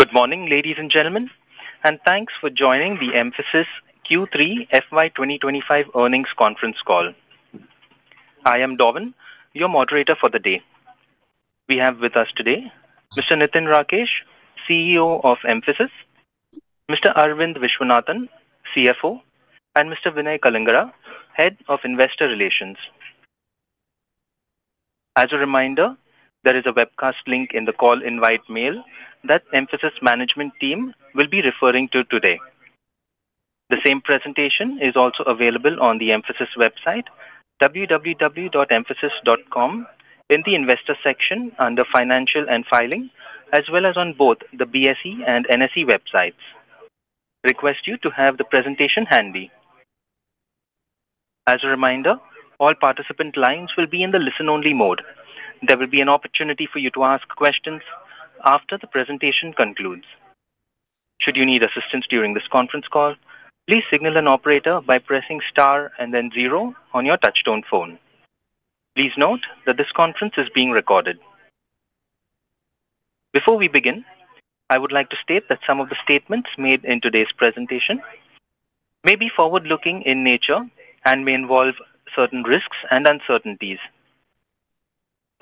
Good morning, ladies and gentlemen, and thanks for joining the Mphasis Q3 FY 2025 earnings conference call. I am Dhavan, your moderator for the day. We have with us today Mr. Nitin Rakesh, CEO of Mphasis, Mr. Aravind Viswanathan, CFO, and Mr. Vinay Kalingara, Head of Investor Relations. As a reminder, there is a webcast link in the call invite mail that Mphasis management team will be referring to today. The same presentation is also available on the Mphasis website, www.mphasis.com, in the Investor section under Financial and Filing, as well as on both the BSE and NSE websites. Request you to have the presentation handy. As a reminder, all participant lines will be in the listen-only mode. There will be an opportunity for you to ask questions after the presentation concludes. Should you need assistance during this conference call, please signal an operator by pressing star and then zero on your touchtone phone. Please note that this conference is being recorded. Before we begin, I would like to state that some of the statements made in today's presentation may be forward-looking in nature and may involve certain risks and uncertainties.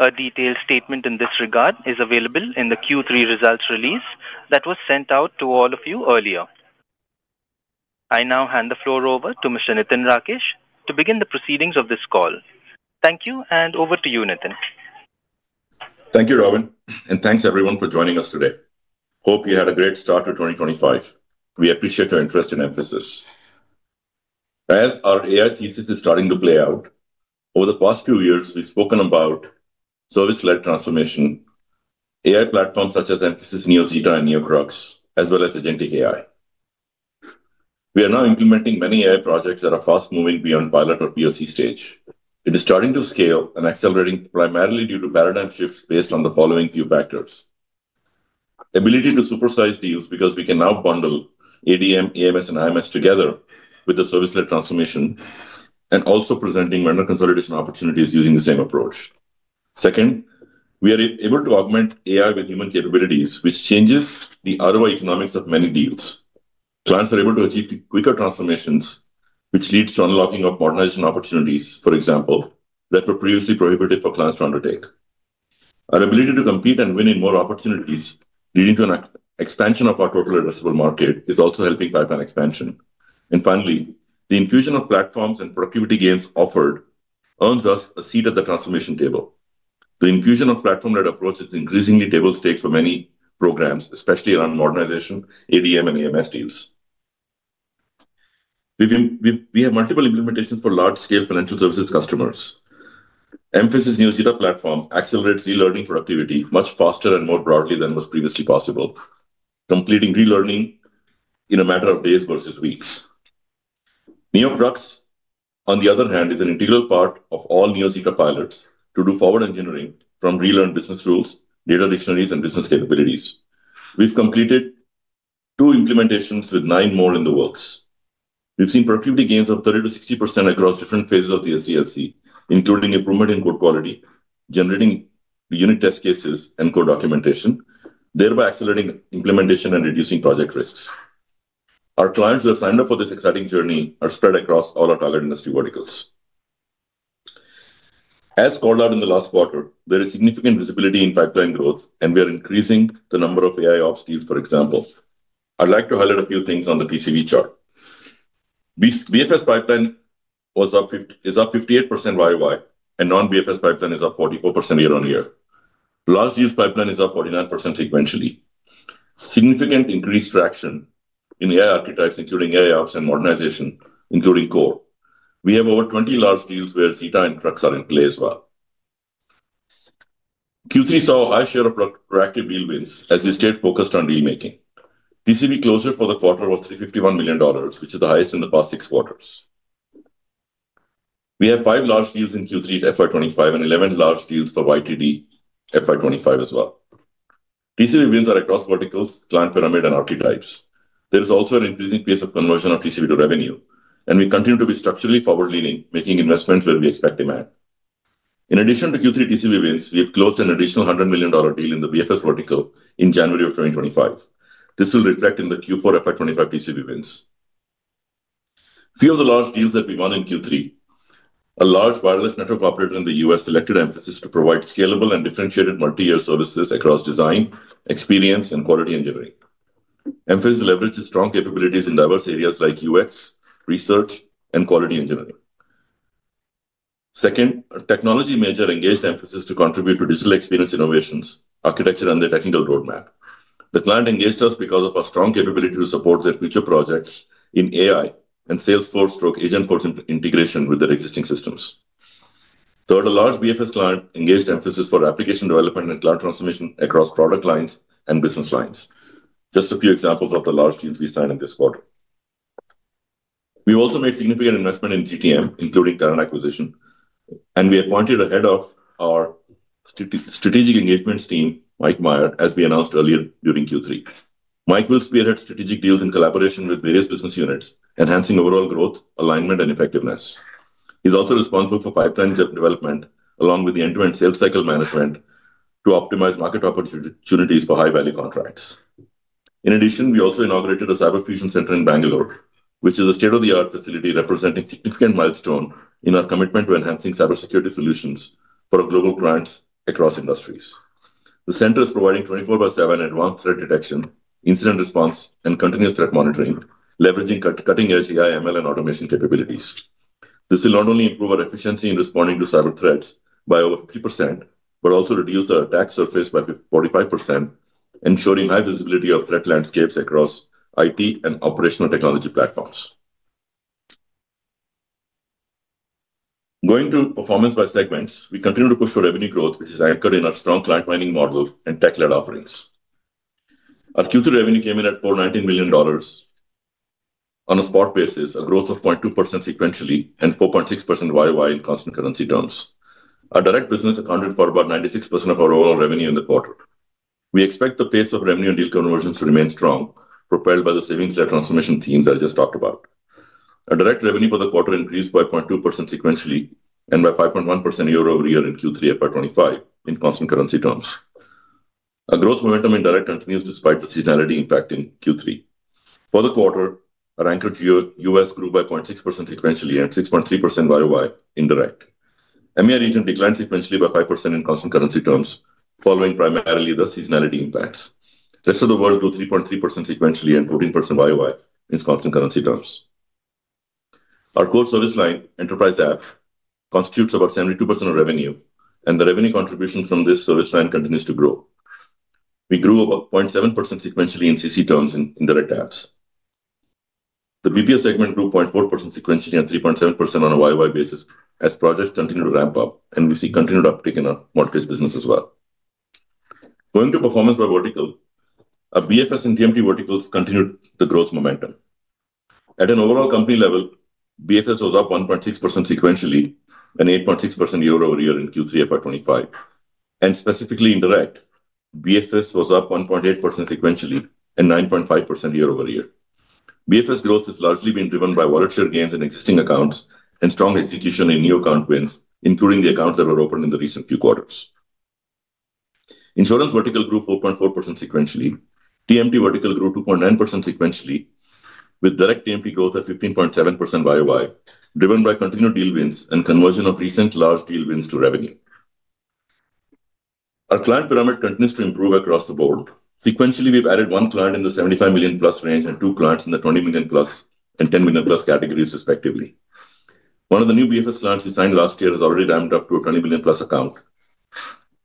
A detailed statement in this regard is available in the Q3 results release that was sent out to all of you earlier. I now hand the floor over to Mr. Nitin Rakesh to begin the proceedings of this call. Thank you, and over to you, Nitin. Thank you, Vinay, and thanks, everyone, for joining us today. Hope you had a great start to 2025. We appreciate your interest in Mphasis. As our AI thesis is starting to play out, over the past few years, we've spoken about service-led transformation, AI platforms such as Mphasis NeoZeta and NeoCrux, as well as Agentic AI. We are now implementing many AI projects that are fast-moving beyond pilot or POC stage. It is starting to scale and accelerating primarily due to paradigm shifts based on the following few factors: the ability to supersize deals because we can now bundle ADM, AMS, and IMS together with the service-led transformation, and also presenting vendor consolidation opportunities using the same approach. Second, we are able to augment AI with human capabilities, which changes the ROI economics of many deals. Clients are able to achieve quicker transformations, which leads to unlocking of modernization opportunities, for example, that were previously prohibited for clients to undertake. Our ability to compete and win in more opportunities, leading to an expansion of our total addressable market, is also helping pipeline expansion, and finally, the infusion of platforms and productivity gains offered earns us a seat at the transformation table. The infusion of platform-led approach is increasingly table stakes for many programs, especially around modernization, ADM, and AMS deals. We have multiple implementations for large-scale financial services customers. Mphasis NeoZeta platform accelerates re-learning productivity much faster and more broadly than was previously possible, completing re-learning in a matter of days versus weeks. NeoCrux, on the other hand, is an integral part of all NeoZeta pilots to do forward engineering from re-learned business rules, data dictionaries, and business capabilities. We've completed two implementations with nine more in the works. We've seen productivity gains of 30% to 60% across different phases of the SDLC, including improvement in code quality, generating unit test cases and code documentation, thereby accelerating implementation and reducing project risks. Our clients who have signed up for this exciting journey are spread across all our target industry verticals. As called out in the last quarter, there is significant visibility in pipeline growth, and we are increasing the number of AIOps deals, for example. I'd like to highlight a few things on the TCV chart. BFS pipeline is up 58% YOY, and non-BFS pipeline is up 44% year-on-year. Last year's pipeline is up 49% sequentially. Significant increased traction in AI archetypes, including AIOps and modernization, including core. We have over 20 large deals where Zeta and Crux are in play as well. Q3 saw a high share of proactive deal wins as we stayed focused on deal-making. TCV closure for the quarter was $351 million, which is the highest in the past six quarters. We have five large deals in Q3 at FY 2025 and 11 large deals for YTD FY 2025 as well. TCV wins are across verticals, client pyramid, and archetypes. There is also an increasing pace of conversion of TCV to revenue, and we continue to be structurally forward-leaning, making investments where we expect demand. In addition to Q3 TCV wins, we have closed an additional $100 million deal in the BFS vertical in January of 2025. This will reflect in the Q4 FY 2025 TCV wins. few of the large deals that we won in Q3, a large wireless network operator in the U.S. selected Mphasis to provide scalable and differentiated multi-year services across design, experience, and quality engineering. Mphasis leveraged its strong capabilities in diverse areas like UX, research, and quality engineering. Second, a technology major engaged Mphasis to contribute to digital experience innovations, architecture, and the technical roadmap. The client engaged us because of our strong capability to support their future projects in AI and Salesforce agentic AI for integration with their existing systems. Third, a large BFS client engaged Mphasis for application development and cloud transformation across product lines and business lines. Just a few examples of the large deals we signed in this quarter. We also made significant investment in GTM, including talent acquisition, and we appointed a head of our strategic engagements team, Mike Meyer, as we announced earlier during Q3. Mike will spearhead strategic deals in collaboration with various business units, enhancing overall growth, alignment, and effectiveness. He's also responsible for pipeline development along with the end-to-end sales cycle management to optimize market opportunities for high-value contracts. In addition, we also inaugurated a Cyber Fusion Center in Bangalore, which is a state-of-the-art facility representing a significant milestone in our commitment to enhancing cybersecurity solutions for our global clients across industries. The center is providing 24/7 advanced threat detection, incident response, and continuous threat monitoring, leveraging cutting-edge AI, ML, and automation capabilities. This will not only improve our efficiency in responding to cyber threats by over 50%, but also reduce the attack surface by 45%, ensuring high visibility of threat landscapes across IT and operational technology platforms. Going to performance by segments, we continue to push for revenue growth, which is anchored in our strong client mining model and tech-led offerings. Our Q3 revenue came in at $419 million on a spot basis, a growth of 0.2% sequentially and 4.6% YOY in constant currency terms. Our direct business accounted for about 96% of our overall revenue in the quarter. We expect the pace of revenue and deal conversions to remain strong, propelled by the savings-led transformation themes I just talked about. Our direct revenue for the quarter increased by 0.2% sequentially and by 5.1% year-over-year in Q3 FY 2025 in constant currency terms. Our growth momentum in direct continues despite the seasonality impact in Q3. For the quarter, our anchored U.S. grew by 0.6% sequentially and 6.3% YOY in direct. EMEA region declined sequentially by 5% in constant currency terms, following primarily the seasonality impacts. The rest of the world grew 3.3% sequentially and 14% YOY in constant currency terms. Our core service line, Enterprise App, constitutes about 72% of revenue, and the revenue contribution from this service line continues to grow. We grew about 0.7% sequentially in CC terms in direct apps. The BPS segment grew 0.4% sequentially and 3.7% on a YOY basis as projects continue to ramp up, and we see continued uptake in our mortgage business as well. Going to performance by vertical, our BFS and TMT verticals continued the growth momentum. At an overall company level, BFS was up 1.6% sequentially and 8.6% year-over-year in Q3 FY 2025, and specifically in direct, BFS was up 1.8% sequentially and 9.5% year-over-year. BFS growth has largely been driven by wallet share gains in existing accounts and strong execution in new account wins, including the accounts that were opened in the recent few quarters. Insurance vertical grew 4.4% sequentially. TMT vertical grew 2.9% sequentially, with direct TMT growth at 15.7% YOY, driven by continued deal wins and conversion of recent large deal wins to revenue. Our client pyramid continues to improve across the board. Sequentially, we've added one client in the 75 million-plus range and two clients in the 20 million-plus and 10 million-plus categories, respectively. One of the new BFS clients we signed last year has already ramped up to a 20 million-plus account.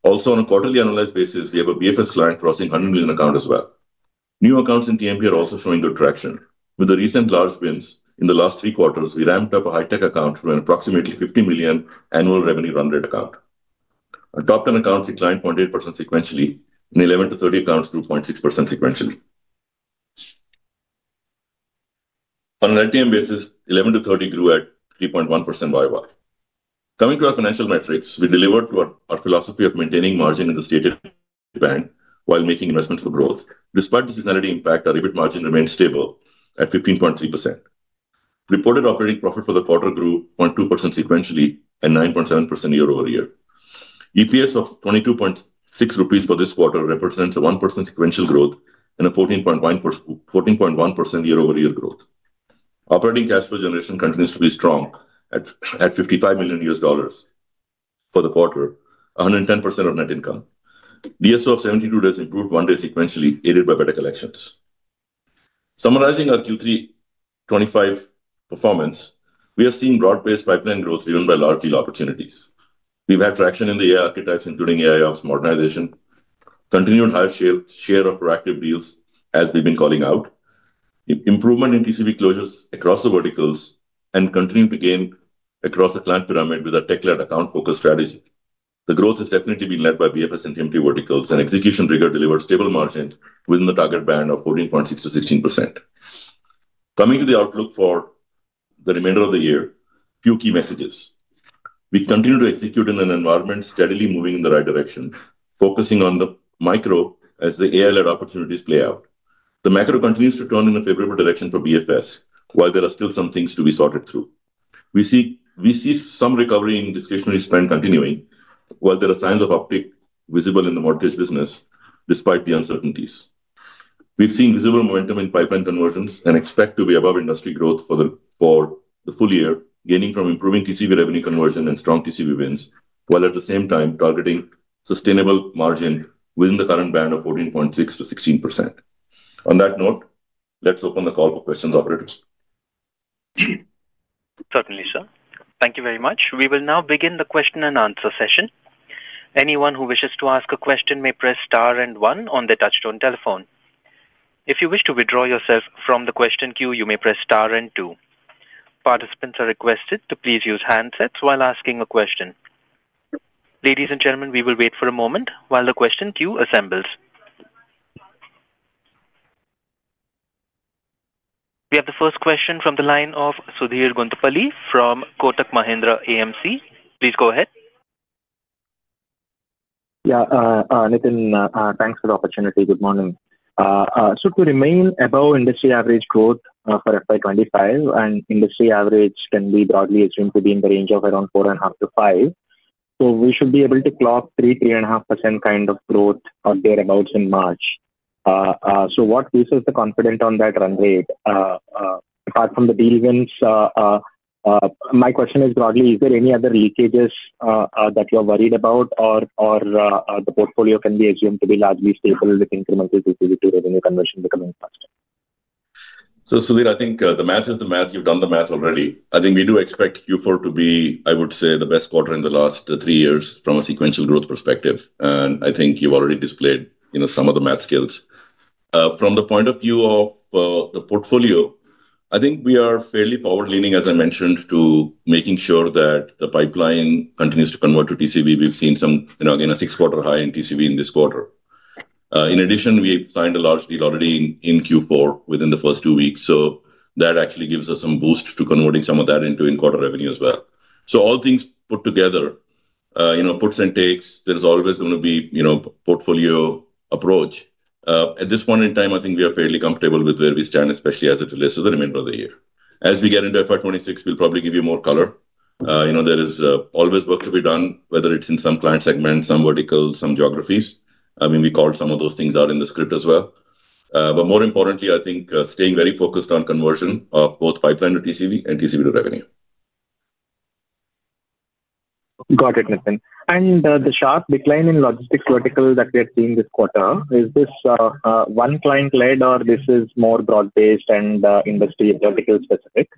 Also, on a quarterly annualized basis, we have a BFS client crossing 100 million account as well. New accounts in TMT are also showing good traction. With the recent large wins in the last three quarters, we ramped up a high-tech account to an approximately 50 million annual revenue run rate account. Our top 10 accounts declined 0.8% sequentially, and 11 to 30 accounts grew 0.6% sequentially. On an LTM basis, 11 to 30 grew at 3.1% YOY. Coming to our financial metrics, we delivered to our philosophy of maintaining margin in the stated bank while making investments for growth. Despite the seasonality impact, our EBITDA margin remained stable at 15.3%. Reported operating profit for the quarter grew 0.2% sequentially and 9.7% year-over-year. EPS of 22.6 rupees for this quarter represents a 1% sequential growth and a 14.1% year-over-year growth. Operating cash flow generation continues to be strong at $55 million for the quarter, 110% of net income. DSO of 72 days improved one day sequentially, aided by better collections. Summarizing our Q3 25 performance, we have seen broad-based pipeline growth driven by large deal opportunities. We've had traction in the AI archetypes, including AIOps modernization, continued high share of proactive deals, as we've been calling out, improvement in TCV closures across the verticals, and continuing to gain across the client pyramid with a tech-led account-focused strategy. The growth has definitely been led by BFS and TMT verticals, and execution trigger delivered stable margins within the target band of 14.6%-16%. Coming to the outlook for the remainder of the year, a few key messages. We continue to execute in an environment steadily moving in the right direction, focusing on the micro as the AI-led opportunities play out. The macro continues to turn in a favorable direction for BFS, while there are still some things to be sorted through. We see some recovery in discretionary spend continuing, while there are signs of uptake visible in the mortgage business despite the uncertainties. We've seen visible momentum in pipeline conversions and expect to be above industry growth for the full year, gaining from improving TCV revenue conversion and strong TCV wins, while at the same time targeting sustainable margin within the current band of 14.6%-16%. On that note, let's open the call for questions, operator. Certainly, sir. Thank you very much. We will now begin the question and answer session. Anyone who wishes to ask a question may press star and one on the touch-tone telephone. If you wish to withdraw yourself from the question queue, you may press star and two. Participants are requested to please use handsets while asking a question. Ladies and gentlemen, we will wait for a moment while the question queue assembles. We have the first question from the line of Sudheer Guntupalli from Kotak Mahindra AMC. Please go ahead. Yeah, Nitin, thanks for the opportunity. Good morning. So to remain above industry average growth for FY 2025, and industry average can be broadly assumed to be in the range of around 4.5%-5%. So we should be able to clock 3%-3.5% kind of growth or thereabouts in March. So what gives us the confidence on that run rate? Apart from the deal wins, my question is broadly, is there any other leakages that you're worried about, or the portfolio can be assumed to be largely stable with incremental TCV to revenue conversion becoming faster? Sudheer, I think the math is the math. You've done the math already. I think we do expect Q4 to be, I would say, the best quarter in the last three years from a sequential growth perspective. I think you've already displayed some of the math skills. From the point of view of the portfolio, I think we are fairly forward-leaning, as I mentioned, to making sure that the pipeline continues to convert to TCV. We've seen some, again, a six-quarter high in TCV in this quarter. In addition, we signed a large deal already in Q4 within the first two weeks. That actually gives us some boost to converting some of that into in-quarter revenue as well. All things put together, puts and takes, there's always going to be portfolio approach. At this point in time, I think we are fairly comfortable with where we stand, especially as it relates to the remainder of the year. As we get into FY 2026, we'll probably give you more color. There is always work to be done, whether it's in some client segments, some verticals, some geographies. I mean, we called some of those things out in the script as well. But more importantly, I think staying very focused on conversion of both pipeline to TCV and TCV to revenue. Got it, Nitin. And the sharp decline in logistics vertical that we are seeing this quarter, is this one client-led or this is more broad-based and industry vertical specific?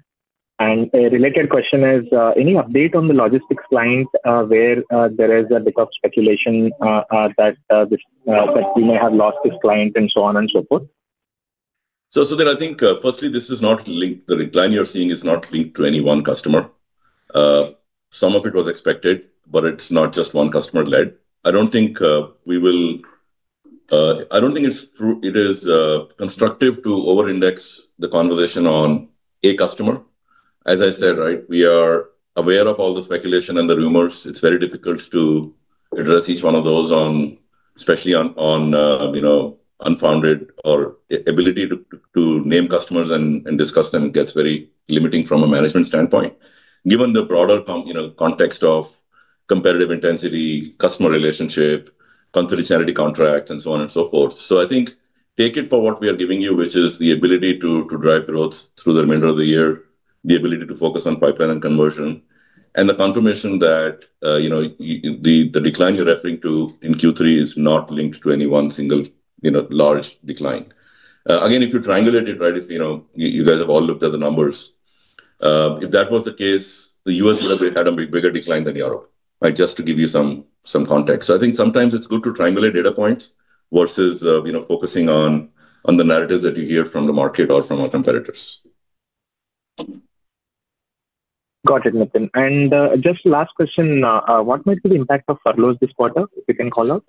And a related question is, any update on the logistics client where there is a bit of speculation that we may have lost this client and so on and so forth? Sudheer, I think firstly, this is not linked. The decline you're seeing is not linked to any one customer. Some of it was expected, but it's not just one customer-led. I don't think we will, I don't think it's constructive to over-index the conversation on a customer. As I said, right, we are aware of all the speculation and the rumors. It's very difficult to address each one of those, especially on unfounded, or the ability to name customers and discuss them gets very limiting from a management standpoint, given the broader context of competitive intensity, customer relationship, confidentiality contract, and so on and so forth. So I think take it for what we are giving you, which is the ability to drive growth through the remainder of the year, the ability to focus on pipeline and conversion, and the confirmation that the decline you're referring to in Q3 is not linked to any one single large decline. Again, if you triangulate it, right, if you guys have all looked at the numbers, if that was the case, the U.S. would have had a bigger decline than Europe, just to give you some context. So I think sometimes it's good to triangulate data points versus focusing on the narratives that you hear from the market or from our competitors. Got it, Nitin. And just last question, what might be the impact of furloughs this quarter, if you can call out?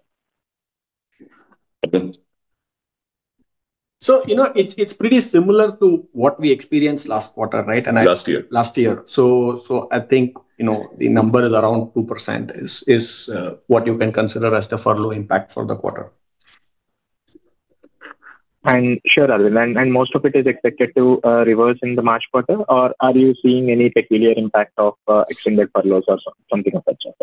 It's pretty similar to what we experienced last quarter, right? Last year. Last year. So I think the number is around 2% is what you can consider as the furlough impact for the quarter. And sure, Aravind, and most of it is expected to reverse in the March quarter, or are you seeing any peculiar impact of extended furloughs or something of that sort?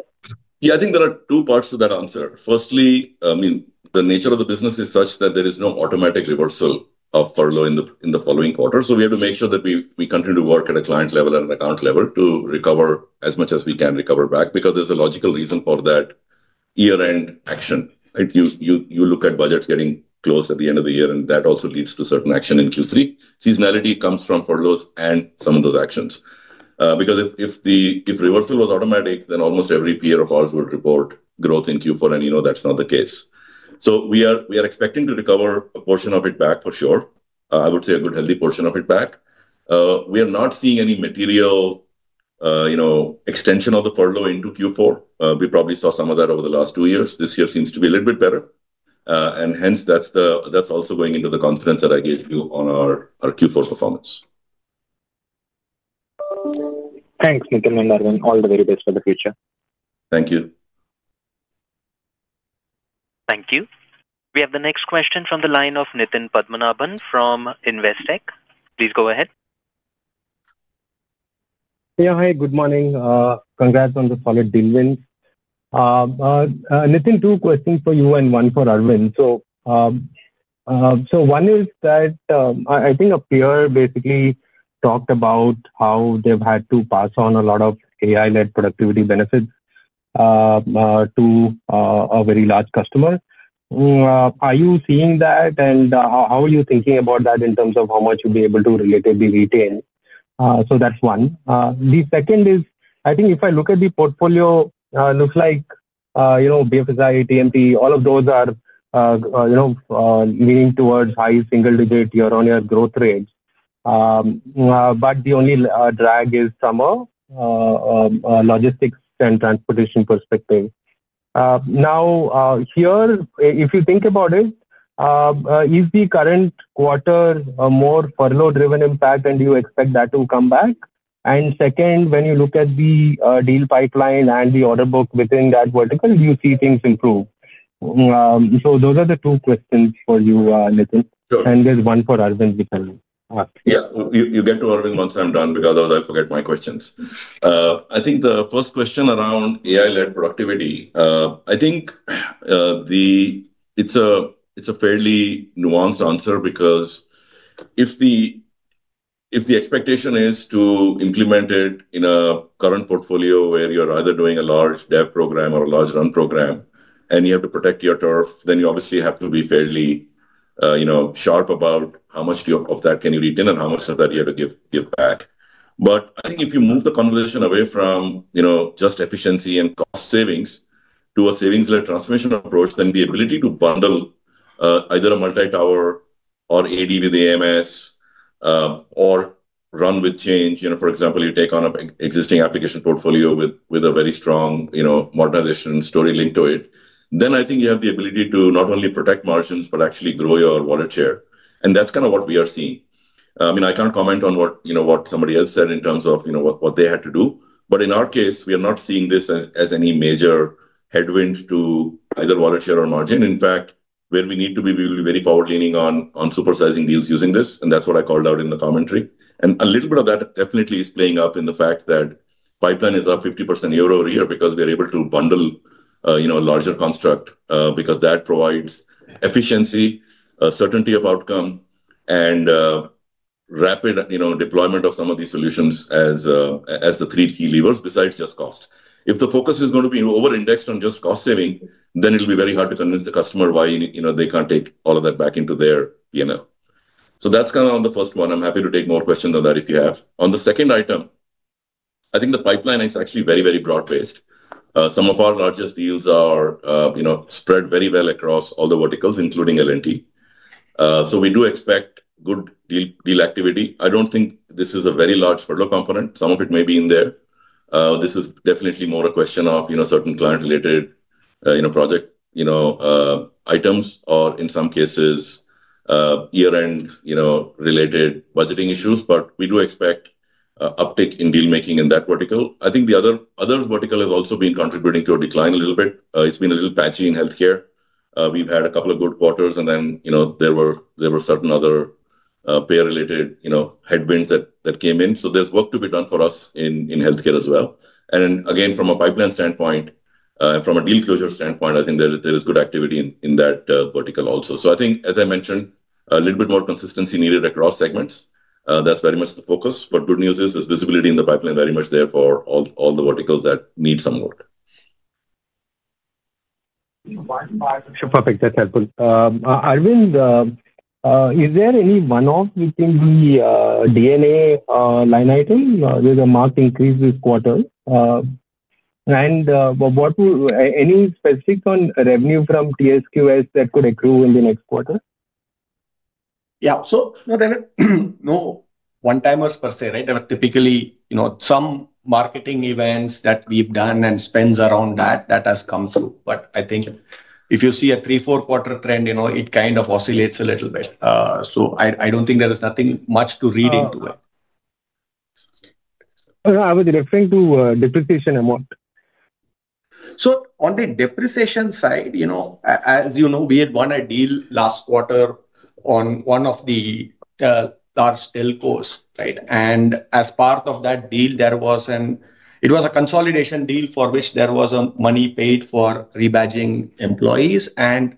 Yeah, I think there are two parts to that answer. Firstly, I mean, the nature of the business is such that there is no automatic reversal of furlough in the following quarter. So we have to make sure that we continue to work at a client level and an account level to recover as much as we can recover back because there's a logical reason for that year-end action. You look at budgets getting closed at the end of the year, and that also leads to certain action in Q3. Seasonality comes from furloughs and some of those actions. Because if reversal was automatic, then almost every peer of ours would report growth in Q4, and that's not the case. So we are expecting to recover a portion of it back for sure. I would say a good healthy portion of it back. We are not seeing any material extension of the furlough into Q4. We probably saw some of that over the last two years. This year seems to be a little bit better, and hence, that's also going into the confidence that I gave you on our Q4 performance. Thanks, Nitin and Aravind. All the very best for the future. Thank you. Thank you. We have the next question from the line of Nitin Padmanabhan from Investec. Please go ahead. Yeah, hi, good morning. Congrats on the solid deal wins. Nitin, two questions for you and one for Aravind. So one is that I think a peer basically talked about how they've had to pass on a lot of AI-led productivity benefits to a very large customer. Are you seeing that, and how are you thinking about that in terms of how much you'll be able to relatively retain? So that's one. The second is, I think if I look at the portfolio, it looks like BFSI, TMT, all of those are leaning towards high single-digit year-on-year growth rates. But the only drag is from a logistics and transportation perspective. Now, here, if you think about it, is the current quarter more furlough-driven impact, and do you expect that to come back? And second, when you look at the deal pipeline and the order book within that vertical, do you see things improve? So those are the two questions for you, Nitin. And there's one for Aravind we can ask. Yeah, you get to Aravind once I'm done because otherwise I forget my questions. I think the first question around AI-led productivity. I think it's a fairly nuanced answer because if the expectation is to implement it in a current portfolio where you're either doing a large dev program or a large run program, and you have to protect your turf, then you obviously have to be fairly sharp about how much of that can you retain and how much of that you have to give back. But I think if you move the conversation away from just efficiency and cost savings to a savings-led transformation approach, then the ability to bundle either a multi-tower or AD with AMS or run with change, for example, you take on an existing application portfolio with a very strong modernization story linked to it, then I think you have the ability to not only protect margins but actually grow your wallet share. And that's kind of what we are seeing. I mean, I can't comment on what somebody else said in terms of what they had to do. But in our case, we are not seeing this as any major headwind to either wallet share or margin. In fact, where we need to be, we will be very forward-leaning on supersizing deals using this. And that's what I called out in the commentary. And a little bit of that definitely is playing up in the fact that pipeline is up 50% year over year because we are able to bundle a larger construct because that provides efficiency, certainty of outcome, and rapid deployment of some of these solutions as the three key levers besides just cost. If the focus is going to be over-indexed on just cost saving, then it'll be very hard to convince the customer why they can't take all of that back into their P&L. So that's kind of on the first one. I'm happy to take more questions on that if you have. On the second item, I think the pipeline is actually very, very broad-based. Some of our largest deals are spread very well across all the verticals, including L&T. So we do expect good deal activity. I don't think this is a very large furlough component. Some of it may be in there. This is definitely more a question of certain client-related project items or, in some cases, year-end-related budgeting issues. But we do expect uptake in deal-making in that vertical. I think the other vertical has also been contributing to a decline a little bit. It's been a little patchy in healthcare. We've had a couple of good quarters, and then there were certain other payer-related headwinds that came in. So there's work to be done for us in healthcare as well. And again, from a pipeline standpoint and from a deal closure standpoint, I think there is good activity in that vertical also. So I think, as I mentioned, a little bit more consistency needed across segments. That's very much the focus. But good news is there's visibility in the pipeline very much there for all the verticals that need some work. Perfect. That's helpful. Aravind, is there any one-off within the D&A line item with a marked increase this quarter? And any specifics on revenue from TSYS that could accrue in the next quarter? Yeah. So no, one-timers per se, right? There are typically some marketing events that we've done and spends around that that has come through. But I think if you see a three, four-quarter trend, it kind of oscillates a little bit. So I don't think there is nothing much to read into it. I was referring to depreciation amount. So on the depreciation side, as you know, we had won a deal last quarter on one of the large telcos, right? And as part of that deal, it was a consolidation deal for which there was money paid for rebadging employees. And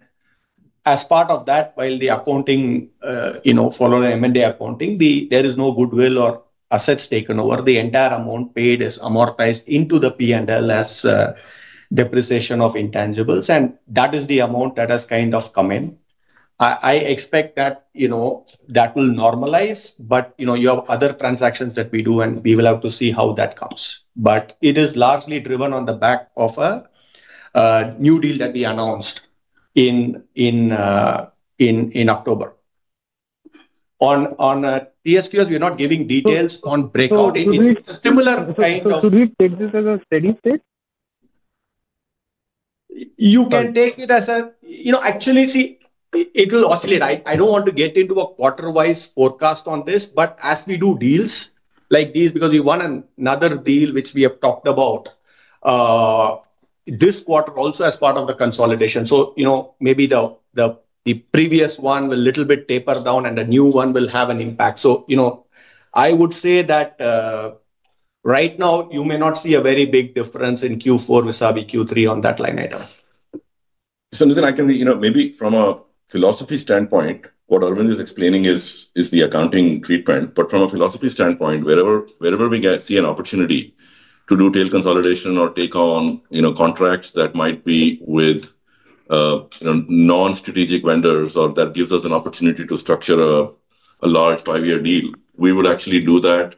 as part of that, while the accounting followed M&A accounting, there is no goodwill or assets taken over. The entire amount paid is amortized into the P&L as depreciation of intangibles. And that is the amount that has kind of come in. I expect that that will normalize, but you have other transactions that we do, and we will have to see how that comes. But it is largely driven on the back of a new deal that we announced in October. On TSYS, we're not giving details on breakouting. It's a similar kind of. Should we take this as a steady state? You can take it as actually, see, it will oscillate. I don't want to get into a quarter-wise forecast on this, but as we do deals like these, because we won another deal which we have talked about this quarter also as part of the consolidation. So maybe the previous one will a little bit taper down, and the new one will have an impact. So I would say that right now, you may not see a very big difference in Q4 versus Q3 on that line item. So Nitin, I can maybe from a philosophy standpoint, what Aravind is explaining is the accounting treatment. From a philosophy standpoint, wherever we see an opportunity to do tail consolidation or take on contracts that might be with non-strategic vendors or that gives us an opportunity to structure a large five-year deal, we would actually do that,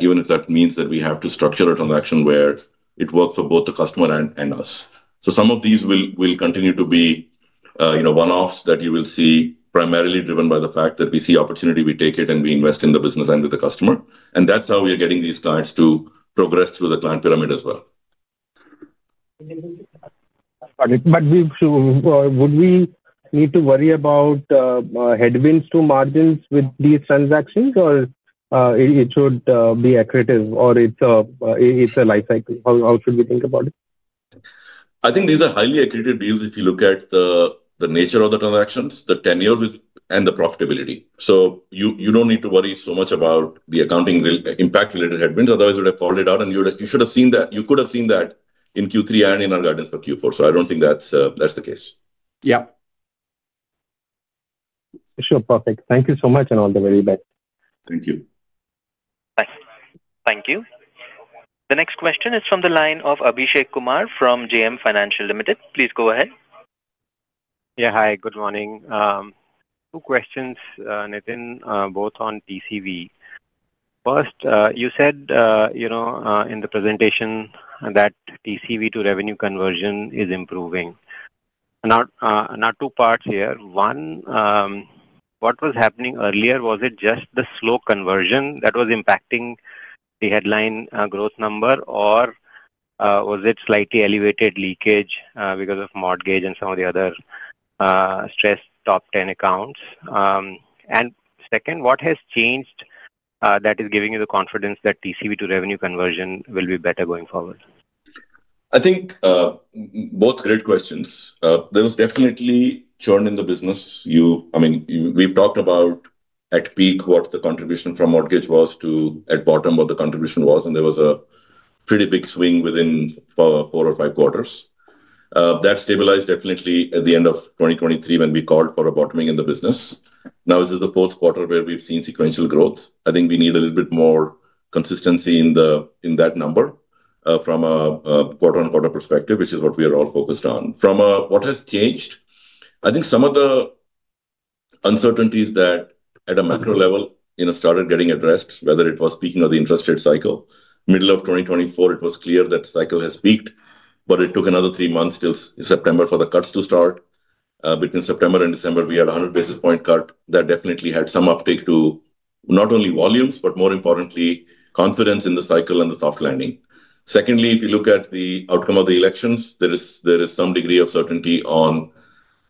even if that means that we have to structure a transaction where it works for both the customer and us. Some of these will continue to be one-offs that you will see primarily driven by the fact that we see opportunity, we take it, and we invest in the business and with the customer. That's how we are getting these clients to progress through the client pyramid as well. Got it, but would we need to worry about headwinds to margins with these transactions, or it should be accurate, or it's a life cycle? How should we think about it? I think these are highly accurate deals if you look at the nature of the transactions, the tenure, and the profitability. So you don't need to worry so much about the accounting impact-related headwinds. Otherwise, we would have called it out, and you should have seen that. You could have seen that in Q3 and in our guidance for Q4. So I don't think that's the case. Yeah. Sure. Perfect. Thank you so much and all the very best. Thank you. Thank you. The next question is from the line of Abhishek Kumar from JM Financial Limited. Please go ahead. Yeah, hi. Good morning. Two questions, Nitin, both on TCV. First, you said in the presentation that TCV to revenue conversion is improving. Now, two parts here. One, what was happening earlier? Was it just the slow conversion that was impacting the headline growth number, or was it slightly elevated leakage because of mortgage and some of the other stressed top 10 accounts? And second, what has changed that is giving you the confidence that TCV to revenue conversion will be better going forward? I think both great questions. There was definitely churn in the business. I mean, we've talked about at peak what the contribution from mortgage was to at bottom what the contribution was, and there was a pretty big swing within four or five quarters. That stabilized definitely at the end of 2023 when we called for a bottoming in the business. Now, this is the fourth quarter where we've seen sequential growth. I think we need a little bit more consistency in that number from a quarter-on-quarter perspective, which is what we are all focused on. From what has changed, I think some of the uncertainties that at a macro level started getting addressed, whether it was peaking of the interest rate cycle. Middle of 2024, it was clear that cycle has peaked, but it took another three months till September for the cuts to start. Between September and December, we had a 100 basis point cut that definitely had some uptake to not only volumes, but more importantly, confidence in the cycle and the soft landing. Secondly, if you look at the outcome of the elections, there is some degree of certainty on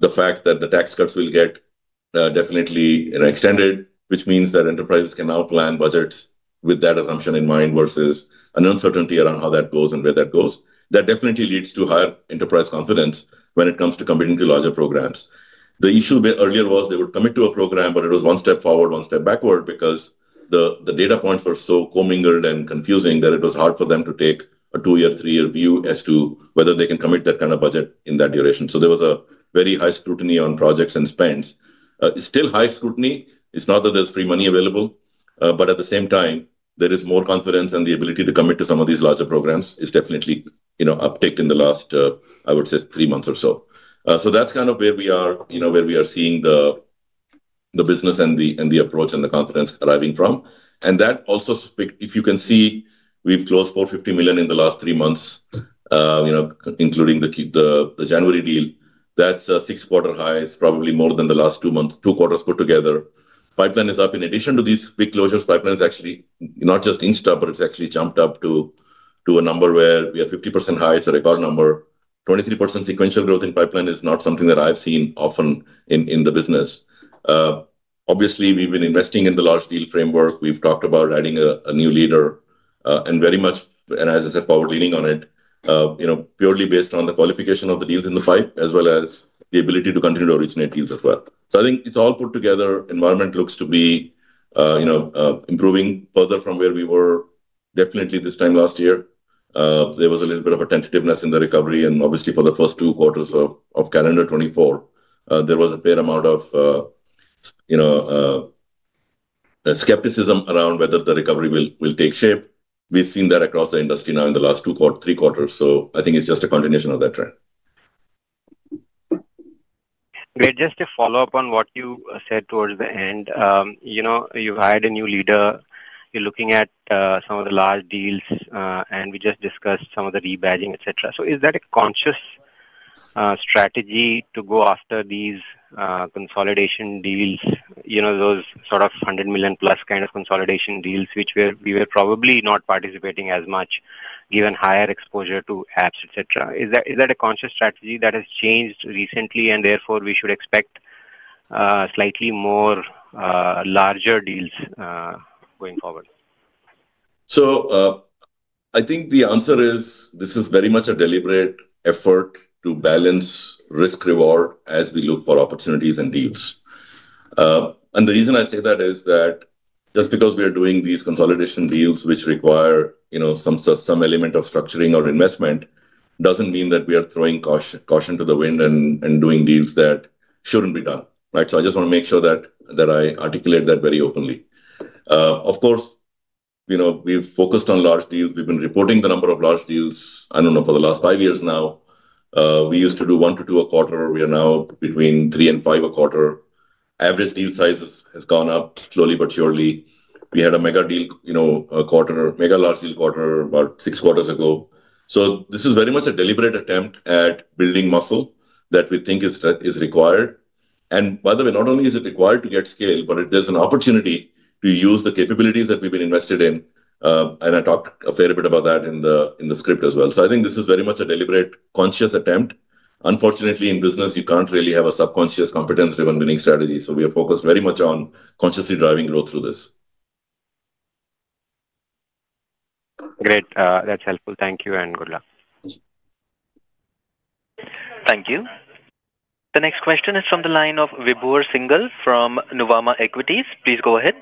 the fact that the tax cuts will get definitely extended, which means that enterprises can now plan budgets with that assumption in mind versus an uncertainty around how that goes and where that goes. That definitely leads to higher enterprise confidence when it comes to committing to larger programs. The issue earlier was they would commit to a program, but it was one step forward, one step backward because the data points were so co-mingled and confusing that it was hard for them to take a two-year, three-year view as to whether they can commit that kind of budget in that duration. So there was a very high scrutiny on projects and spends. It's still high scrutiny. It's not that there's free money available, but at the same time, there is more confidence, and the ability to commit to some of these larger programs is definitely uptake in the last, I would say, three months or so. So that's kind of where we are seeing the business and the approach and the confidence arriving from. And that also, if you can see, we've closed $450 million in the last three months, including the January deal. That's a six-quarter high, probably more than the last two quarters put together. Pipeline is up. In addition to these big closures, pipeline is actually not just in stock, but it's actually jumped up to a number where we are 50% high. It's a record number. 23% sequential growth in pipeline is not something that I've seen often in the business. Obviously, we've been investing in the large deal framework. We've talked about adding a new leader and very much, and as I said, forward-leaning on it, purely based on the qualification of the deals in the pipe as well as the ability to continue to originate deals as well. So I think it's all put together. Environment looks to be improving further from where we were definitely this time last year. There was a little bit of a tentativeness in the recovery, and obviously, for the first two quarters of calendar 2024, there was a fair amount of skepticism around whether the recovery will take shape. We've seen that across the industry now in the last three quarters, so I think it's just a continuation of that trend. Just to follow up on what you said towards the end, you've hired a new leader. You're looking at some of the large deals, and we just discussed some of the rebadging, etc. So is that a conscious strategy to go after these consolidation deals, those sort of 100 million-plus kind of consolidation deals, which we were probably not participating as much given higher exposure to apps, etc.? Is that a conscious strategy that has changed recently, and therefore we should expect slightly more larger deals going forward? I think the answer is this is very much a deliberate effort to balance risk-reward as we look for opportunities and deals, and the reason I say that is that just because we are doing these consolidation deals, which require some element of structuring or investment, doesn't mean that we are throwing caution to the wind and doing deals that shouldn't be done. Right? I just want to make sure that I articulate that very openly. Of course, we've focused on large deals. We've been reporting the number of large deals, I don't know, for the last five years now. We used to do one to two a quarter. We are now between three and five a quarter. Average deal sizes have gone up slowly but surely. We had a mega deal a quarter, mega large deal quarter about six quarters ago. So this is very much a deliberate attempt at building muscle that we think is required. And by the way, not only is it required to get scale, but there's an opportunity to use the capabilities that we've been invested in. And I talked a fair bit about that in the script as well. So I think this is very much a deliberate, conscious attempt. Unfortunately, in business, you can't really have a subconscious competence-driven winning strategy. So we are focused very much on consciously driving growth through this. Great. That's helpful. Thank you and good luck. Thank you. The next question is from the line of Vibhor Singhal from Nuvama Equities. Please go ahead.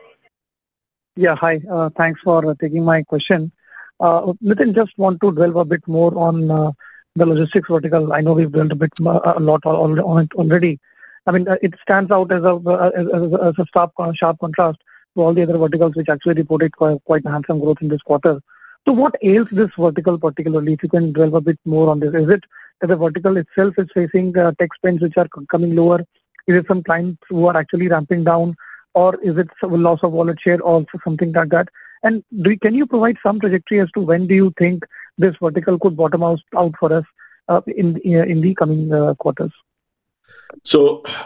Yeah. Hi. Thanks for taking my question. Nitin just want to dwell a bit more on the logistics vertical. I know we've dwelled a lot already. I mean, it stands out as a sharp contrast to all the other verticals, which actually reported quite a handsome growth in this quarter, so what ails this vertical particularly? If you can dwell a bit more on this, is it that the vertical itself is facing tech spends which are coming lower? Is it some clients who are actually ramping down, or is it loss of wallet share or something like that? And can you provide some trajectory as to when do you think this vertical could bottom out for us in the coming quarters?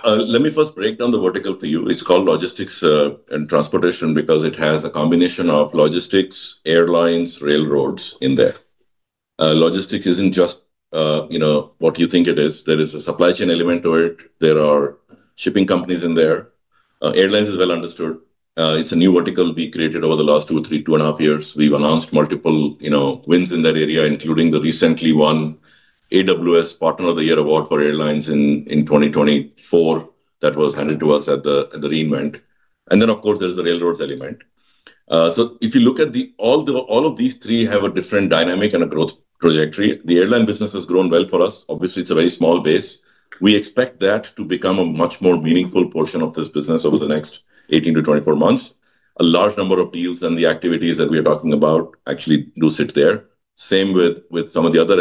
Let me first break down the vertical for you. It's called logistics and transportation because it has a combination of logistics, airlines, railroads in there. Logistics isn't just what you think it is. There is a supply chain element to it. There are shipping companies in there. Airlines is well understood. It's a new vertical we created over the last two, three, two and a half years. We've announced multiple wins in that area, including the recently won AWS Partner of the Year Award for airlines in 2024 that was handed to us at the re:Invent. Then, of course, there's the railroads element. If you look at all of these three have a different dynamic and a growth trajectory. The airline business has grown well for us. Obviously, it's a very small base. We expect that to become a much more meaningful portion of this business over the next 18-24 months. A large number of deals and the activities that we are talking about actually do sit there. Same with some of the other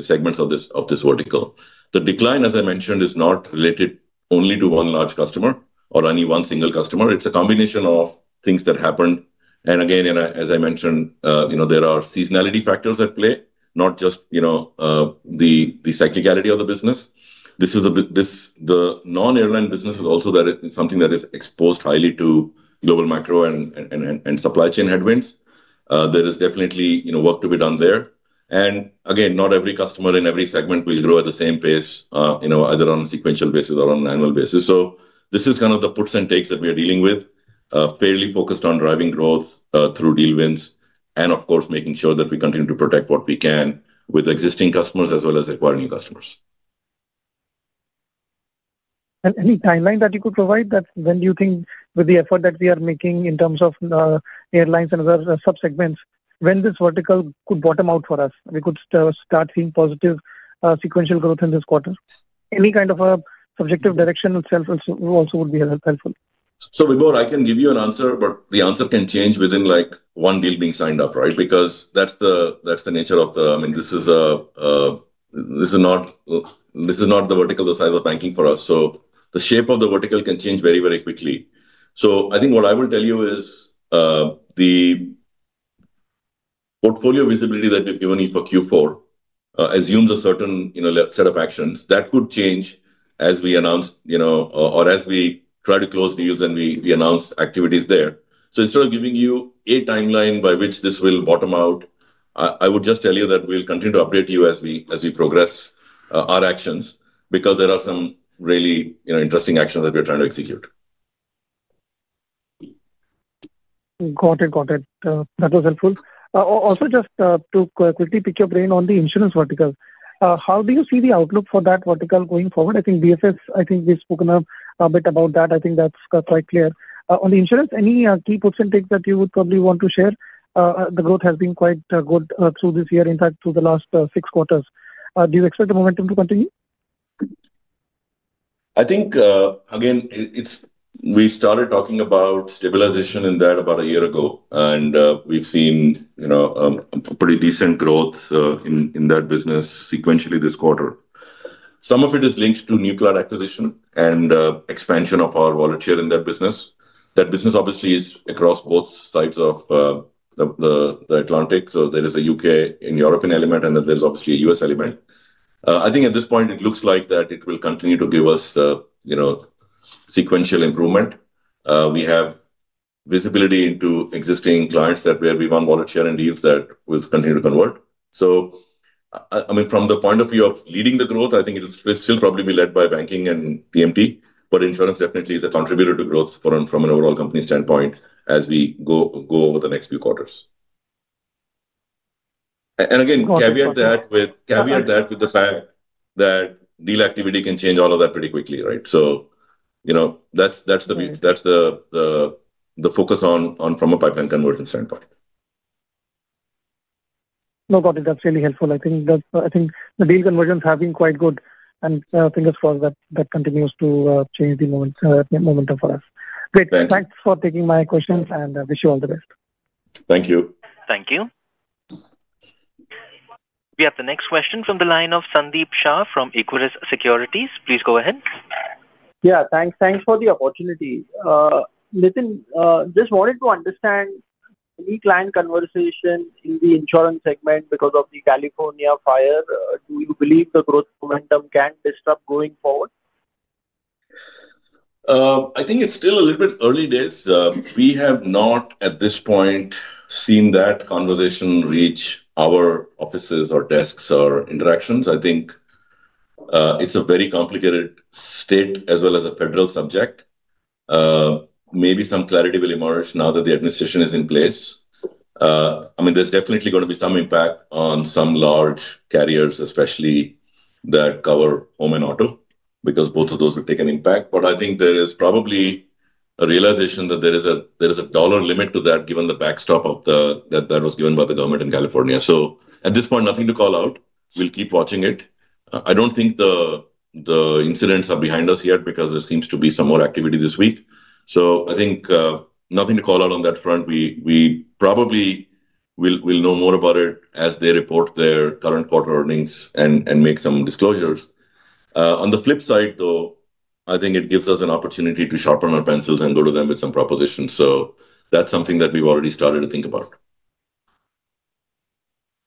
segments of this vertical. The decline, as I mentioned, is not related only to one large customer or only one single customer. It's a combination of things that happened. And again, as I mentioned, there are seasonality factors at play, not just the cyclicality of the business. The non-airline business is also something that is exposed highly to global macro and supply chain headwinds. There is definitely work to be done there. And again, not every customer in every segment will grow at the same pace, either on a sequential basis or on an annual basis. So this is kind of the puts and takes that we are dealing with, fairly focused on driving growth through deal wins and, of course, making sure that we continue to protect what we can with existing customers as well as acquiring new customers. Any timeline that you could provide that when you think with the effort that we are making in terms of airlines and other subsegments, when this vertical could bottom out for us, we could start seeing positive sequential growth in this quarter? Any kind of a subjective direction itself also would be helpful. So Vibhor, I can give you an answer, but the answer can change within one deal being signed up, right? Because that's the nature of the, I mean, this is not the vertical the size of banking for us. So the shape of the vertical can change very, very quickly. So I think what I will tell you is the portfolio visibility that we've given you for Q4 assumes a certain set of actions that could change as we announce or as we try to close deals and we announce activities there. So instead of giving you a timeline by which this will bottom out, I would just tell you that we'll continue to update you as we progress our actions because there are some really interesting actions that we're trying to execute. Got it. Got it. That was helpful. Also, just to quickly pick your brain on the insurance vertical, how do you see the outlook for that vertical going forward? I think BFS, I think we've spoken a bit about that. I think that's quite clear. On the insurance, any key puts and takes that you would probably want to share? The growth has been quite good through this year, in fact, through the last six quarters. Do you expect the momentum to continue? I think, again, we started talking about stabilization in that about a year ago, and we've seen pretty decent growth in that business sequentially this quarter. Some of it is linked to new cloud acquisition and expansion of our volume in that business. That business obviously is across both sides of the Atlantic. So there is a U.K. and European element, and then there's obviously a U.S. element. I think at this point, it looks like that it will continue to give us sequential improvement. We have visibility into existing clients that where we want volume and deals that will continue to convert. So I mean, from the point of view of leading the growth, I think it will still probably be led by banking and TMT, but insurance definitely is a contributor to growth from an overall company standpoint as we go over the next few quarters. And again, caveat that with the fact that deal activity can change all of that pretty quickly, right? So that's the focus on from a pipeline conversion standpoint. No, got it. That's really helpful. I think the deal conversions have been quite good, and fingers crossed that continues to change the momentum for us. Great. Thanks for taking my questions, and I wish you all the best. Thank you. Thank you. We have the next question from the line of Sandeep Shah from Equirus Securities. Please go ahead. Yeah. Thanks for the opportunity. Nitin, just wanted to understand any client conversation in the insurance segment because of the California fire. Do you believe the growth momentum can disrupt going forward? I think it's still a little bit early days. We have not at this point seen that conversation reach our offices or desks or interactions. I think it's a very complicated state as well as a federal subject. Maybe some clarity will emerge now that the administration is in place. I mean, there's definitely going to be some impact on some large carriers, especially that cover home and auto, because both of those will take an impact. But I think there is probably a realization that there is a dollar limit to that given the backstop that was given by the government in California. So at this point, nothing to call out. We'll keep watching it. I don't think the incidents are behind us yet because there seems to be some more activity this week. So I think nothing to call out on that front. We probably will know more about it as they report their current quarter earnings and make some disclosures. On the flip side, though, I think it gives us an opportunity to sharpen our pencils and go to them with some propositions, so that's something that we've already started to think about.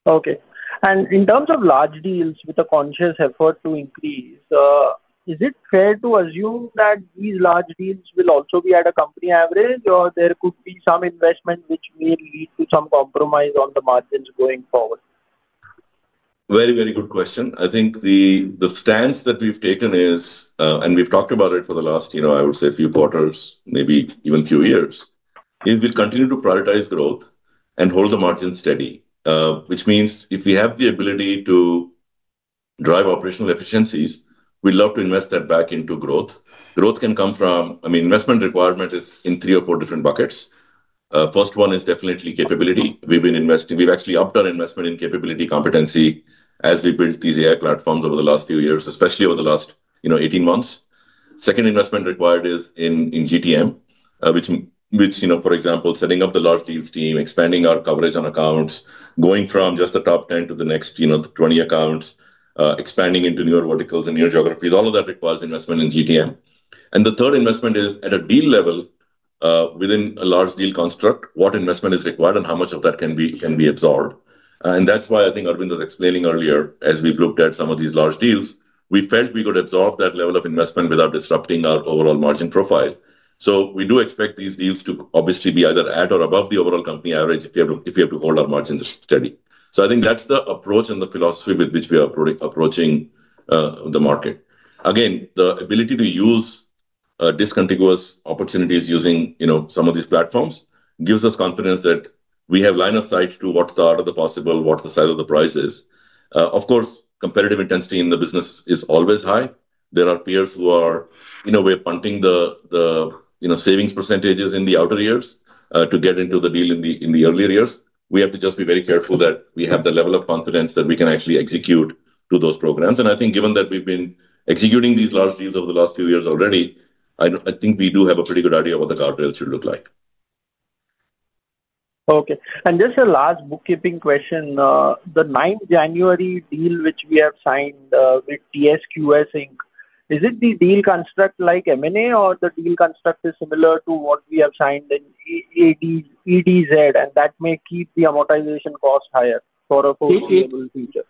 Okay, and in terms of large deals with a conscious effort to increase, is it fair to assume that these large deals will also be at a company average, or there could be some investment which may lead to some compromise on the margins going forward? Very, very good question. I think the stance that we've taken is, and we've talked about it for the last, I would say, a few quarters, maybe even a few years, is we'll continue to prioritize growth and hold the margins steady, which means if we have the ability to drive operational efficiencies, we'd love to invest that back into growth. Growth can come from, I mean, investment requirement is in three or four different buckets. First one is definitely capability. We've actually upped our investment in capability competency as we built these AI platforms over the last few years, especially over the last 18 months. Second investment required is in GTM, which, for example, setting up the large deals team, expanding our coverage on accounts, going from just the top 10 to the next 20 accounts, expanding into newer verticals and newer geographies. All of that requires investment in GTM. And the third investment is at a deal level within a large deal construct, what investment is required and how much of that can be absorbed. And that's why I think Aravind was explaining earlier, as we've looked at some of these large deals, we felt we could absorb that level of investment without disrupting our overall margin profile. So we do expect these deals to obviously be either at or above the overall company average if we have to hold our margins steady. So I think that's the approach and the philosophy with which we are approaching the market. Again, the ability to use discontiguous opportunities using some of these platforms gives us confidence that we have line of sight to what's the art of the possible, what's the size of the prize. Of course, competitive intensity in the business is always high. There are peers who are in a way punting the savings percentages in the outer years to get into the deal in the earlier years. We have to just be very careful that we have the level of confidence that we can actually execute to those programs, and I think given that we've been executing these large deals over the last few years already, I think we do have a pretty good idea of what the guardrails should look like. Okay. And just a last bookkeeping question. The 9th January deal which we have signed with TSYS Inc., is it the deal construct like M&A or the deal construct is similar to what we have signed in DXC, and that may keep the amortization cost higher for a forward-looking future?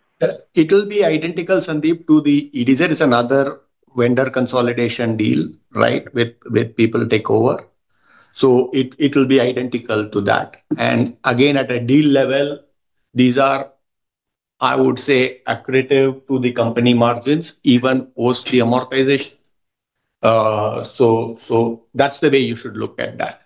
It will be identical, Sandeep, to the DXC. It's another vendor consolidation deal, right, with people takeover. So it will be identical to that. And again, at a deal level, these are, I would say, accretive to the company margins, even post the amortization. So that's the way you should look at that.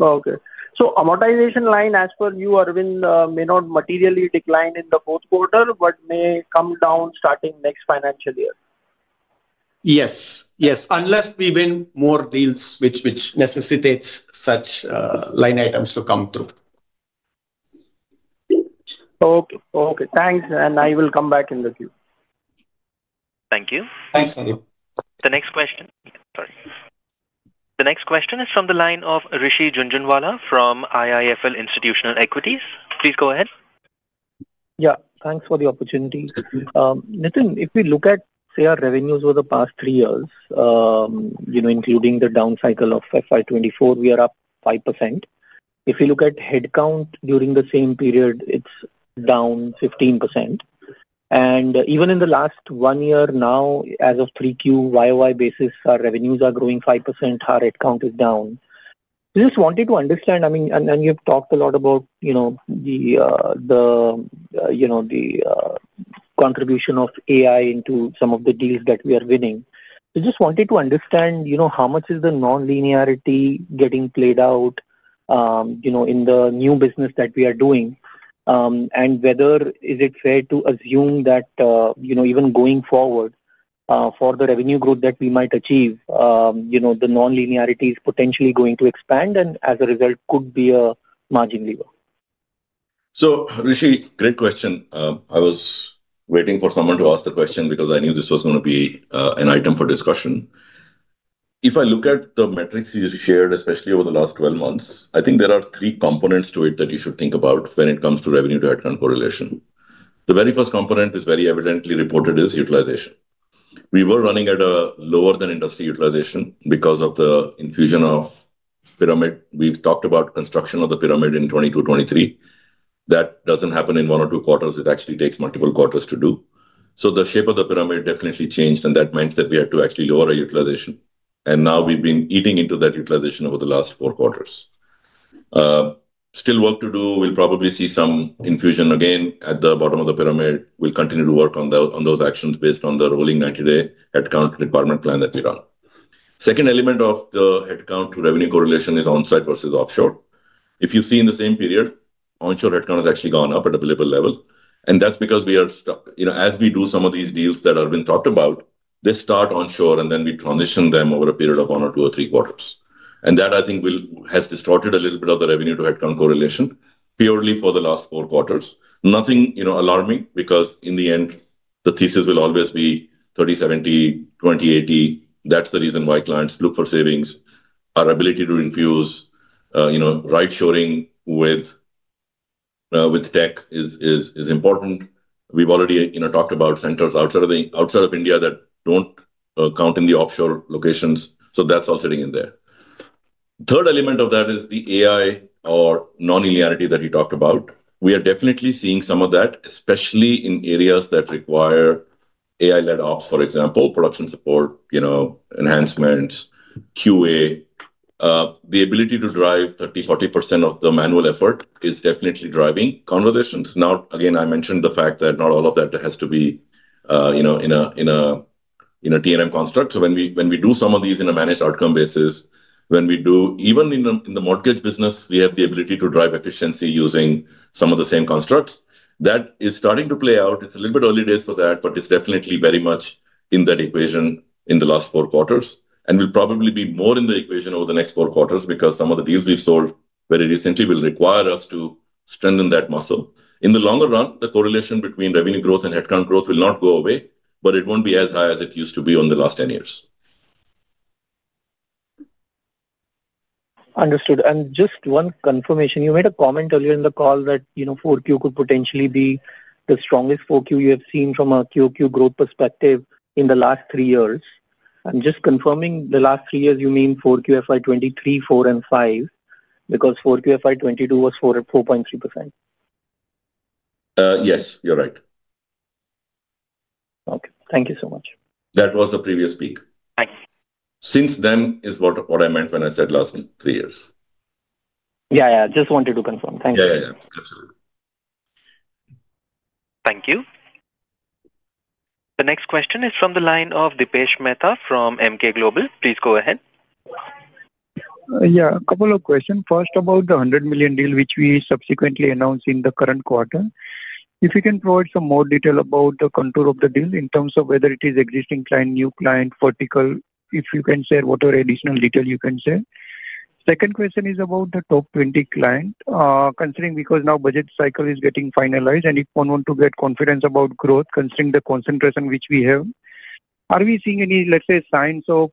Okay. So amortization line as per you, Aravind, may not materially decline in the fourth quarter, but may come down starting next financial year. Yes. Yes. Unless we win more deals which necessitates such line items to come through. Okay. Okay. Thanks, and I will come back in the queue. Thank you. Thanks, Sandeep. The next question. Sorry. The next question is from the line of Rishi Jhunjhunwala from IIFL Institutional Equities. Please go ahead. Yeah. Thanks for the opportunity. Nitin, if we look at, say, our revenues over the past three years, including the down cycle of FY 2024, we are up 5%. If we look at headcount during the same period, it's down 15%, and even in the last one year now, as of 3Q, YOY basis, our revenues are growing 5%, our headcount is down. We just wanted to understand, I mean, and you've talked a lot about the contribution of AI into some of the deals that we are winning. We just wanted to understand how much is the non-linearity getting played out in the new business that we are doing, and whether it is fair to assume that even going forward, for the revenue growth that we might achieve, the non-linearity is potentially going to expand and, as a result, could be a margin lever. Rishi, great question. I was waiting for someone to ask the question because I knew this was going to be an item for discussion. If I look at the metrics you shared, especially over the last 12 months, I think there are three components to it that you should think about when it comes to revenue-to-headcount correlation. The very first component is very evidently reported as utilization. We were running at a lower-than-industry utilization because of the infusion of pyramid. We've talked about construction of the pyramid in 2022, 2023. That doesn't happen in one or two quarters. It actually takes multiple quarters to do. So the shape of the pyramid definitely changed, and that meant that we had to actually lower our utilization. And now we've been eating into that utilization over the last four quarters. Still work to do. We'll probably see some infusion again at the bottom of the pyramid. We'll continue to work on those actions based on the rolling 90-day headcount requirement plan that we run. Second element of the headcount to revenue correlation is onshore versus offshore. If you see in the same period, onshore headcount has actually gone up at a believable level. And that's because we are, as we do some of these deals that Aravind talked about, they start onshore, and then we transition them over a period of one or two or three quarters. And that, I think, has distorted a little bit of the revenue-to-headcount correlation purely for the last four quarters. Nothing alarming because in the end, the thesis will always be 30, 70, 20, 80. That's the reason why clients look for savings. Our ability to infuse right-shoring with tech is important. We've already talked about centers outside of India that don't count in the offshore locations. So that's all sitting in there. Third element of that is the AI or non-linearity that you talked about. We are definitely seeing some of that, especially in areas that require AI-led ops, for example, production support, enhancements, QA. The ability to drive 30%-40% of the manual effort is definitely driving conversations. Now, again, I mentioned the fact that not all of that has to be in a T&M construct. So when we do some of these in a managed outcome basis, when we do, even in the mortgage business, we have the ability to drive efficiency using some of the same constructs. That is starting to play out. It's a little bit early days for that, but it's definitely very much in that equation in the last four quarters. We'll probably be more in the equation over the next four quarters because some of the deals we've sold very recently will require us to strengthen that muscle. In the longer run, the correlation between revenue growth and headcount growth will not go away, but it won't be as high as it used to be in the last 10 years. Understood. And just one confirmation. You made a comment earlier in the call that 4Q could potentially be the strongest 4Q you have seen from a QoQ growth perspective in the last three years. And just confirming, the last three years, you mean 4Q FY 2023, 2024, and 2025, because 4Q FY 2022 was 4.3%? Yes, you're right. Okay. Thank you so much. That was the previous peak. Thanks. Since then is what I meant when I said last three years. Yeah, yeah. I just wanted to confirm. Thank you. Yeah, yeah, yeah. Absolutely. Thank you. The next question is from the line of Dipesh Mehta from Emkay Global. Please go ahead. Yeah. A couple of questions. First, about the $100 million deal which we subsequently announced in the current quarter. If you can provide some more detail about the contour of the deal in terms of whether it is existing client, new client, vertical, if you can share whatever additional detail you can share. Second question is about the top 20 client considering because now budget cycle is getting finalized, and if one wants to get confidence about growth considering the concentration which we have, are we seeing any, let's say, signs of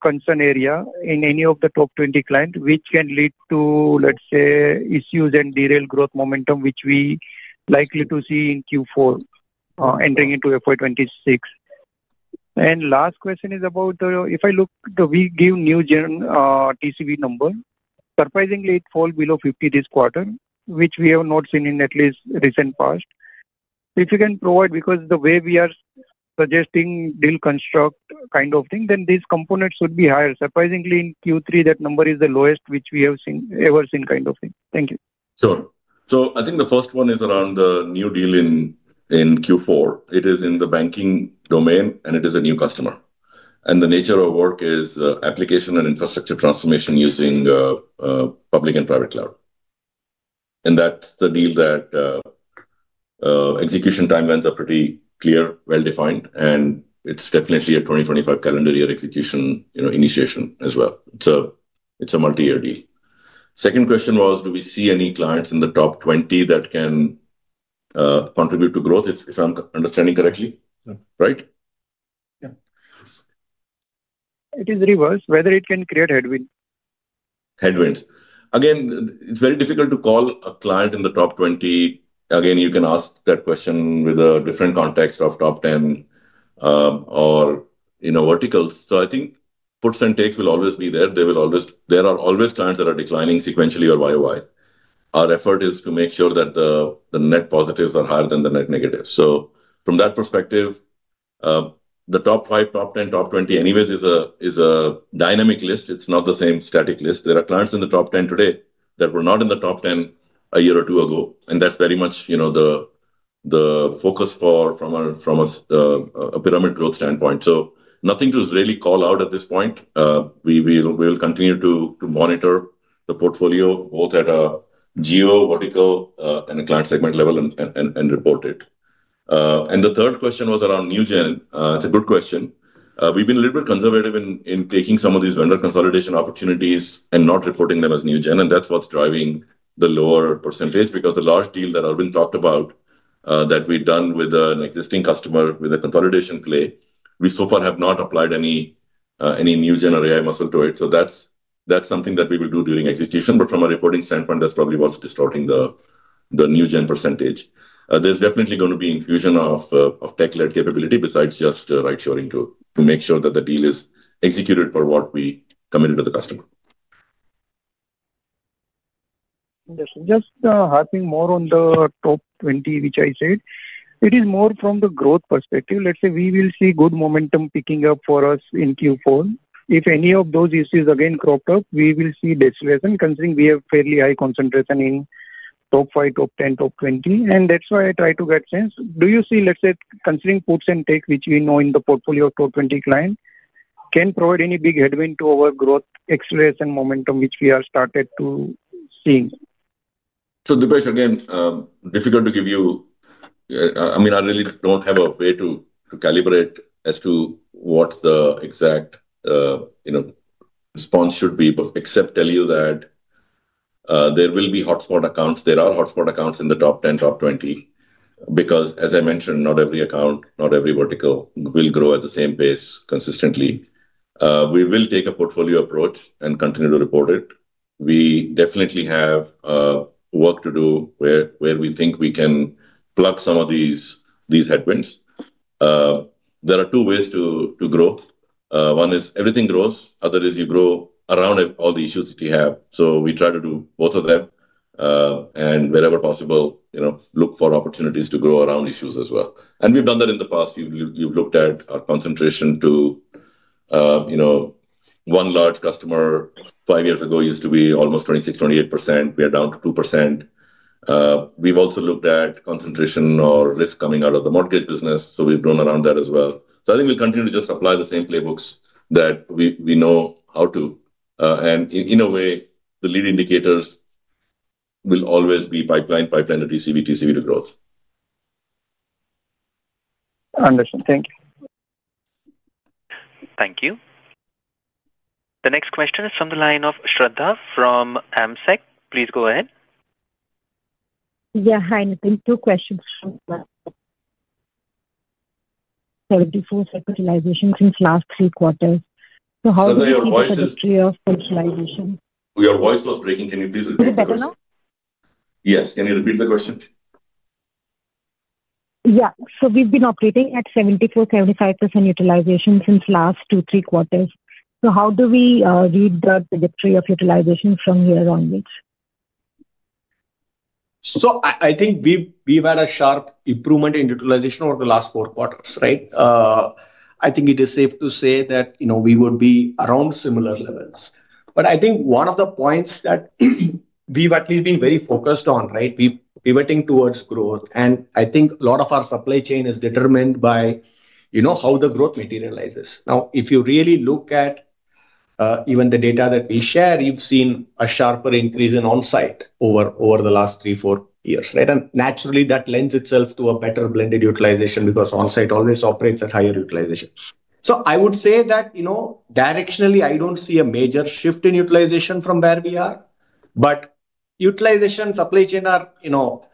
concern area in any of the top 20 client which can lead to, let's say, issues and derail growth momentum which we likely to see in Q4 entering into FY 2026? And last question is about if I look, we give new TCV number. Surprisingly, it fell below 50 this quarter, which we have not seen in at least recent past. If you can provide because the way we are suggesting deal construct kind of thing, then these components should be higher. Surprisingly, in Q3, that number is the lowest which we have ever seen kind of thing. Thank you. Sure. So I think the first one is around the new deal in Q4. It is in the banking domain, and it is a new customer. And the nature of work is application and infrastructure transformation using public and private cloud. And that's the deal that execution timelines are pretty clear, well-defined, and it's definitely a 2025 calendar year execution initiation as well. It's a multi-year deal. Second question was, do we see any clients in the top 20 that can contribute to growth, if I'm understanding correctly? Right? Yeah. It is reversed. Whether it can create headwinds. Headwinds. Again, it's very difficult to call a client in the top 20. Again, you can ask that question with a different context of top 10 or verticals. So I think puts and takes will always be there. There are always clients that are declining sequentially or YOY. Our effort is to make sure that the net positives are higher than the net negatives. So from that perspective, the top 5, top 10, top 20 anyways is a dynamic list. It's not the same static list. There are clients in the top 10 today that were not in the top 10 a year or two ago. And that's very much the focus from a pyramid growth standpoint. So nothing to really call out at this point. We will continue to monitor the portfolio both at a geo, vertical, and a client segment level and report it. The third question was around New Gen. It's a good question. We've been a little bit conservative in taking some of these vendor consolidation opportunities and not reporting them as New Gen. And that's what's driving the lower percentage because the large deal that Aravind talked about that we've done with an existing customer with a consolidation play, we so far have not applied any New Gen or AI muscle to it. So that's something that we will do during execution. But from a reporting standpoint, that's probably what's distorting the New Gen percentage. There's definitely going to be infusion of tech-led capability besides just right-shoring to make sure that the deal is executed for what we committed to the customer. Yes. Just hopping more on the top 20, which I said. It is more from the growth perspective. Let's say we will see good momentum picking up for us in Q4. If any of those issues again cropped up, we will see deceleration considering we have fairly high concentration in top 5, top 10, top 20. And that's why I try to get sense. Do you see, let's say, considering puts and takes which we know in the portfolio of top 20 client, can provide any big headwind to our growth acceleration momentum which we have started to see? So, Dipesh, again, difficult to give you, I mean. I really don't have a way to calibrate as to what the exact response should be, but except tell you that there will be hotspot accounts. There are hotspot accounts in the top 10, top 20 because, as I mentioned, not every account, not every vertical will grow at the same pace consistently. We will take a portfolio approach and continue to report it. We definitely have work to do where we think we can plug some of these headwinds. There are two ways to grow. One is everything grows. Other is you grow around all the issues that you have. So we try to do both of them and, wherever possible, look for opportunities to grow around issues as well. And we've done that in the past. You've looked at our concentration to one large customer five years ago used to be almost 26%-28%. We are down to 2%. We've also looked at concentration or risk coming out of the mortgage business. So we've grown around that as well. So I think we'll continue to just apply the same playbooks that we know how to. And in a way, the lead indicators will always be pipeline, pipeline to TCV, TCV to growth. Understood. Thank you. Thank you. The next question is from the line of Shraddha from AMSEC. Please go ahead. Yeah. Hi, Nitin. Two questions. 74% utilization since last three quarters. So how do you see the history of utilization? Your voice was breaking. Can you please repeat that? Is it better now? Yes. Can you repeat the question? Yeah. So we've been operating at 74%-75% utilization since last two, three quarters. So how do we read the trajectory of utilization from year onwards? So I think we've had a sharp improvement in utilization over the last four quarters, right? I think it is safe to say that we would be around similar levels. But I think one of the points that we've at least been very focused on, right, pivoting towards growth. And I think a lot of our supply chain is determined by how the growth materializes. Now, if you really look at even the data that we share, you've seen a sharper increase in onsite over the last three, four years, right? And naturally, that lends itself to a better blended utilization because onsite always operates at higher utilization. So I would say that directionally, I don't see a major shift in utilization from where we are. But utilization, supply chain are,